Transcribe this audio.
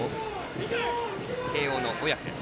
慶応の小宅です。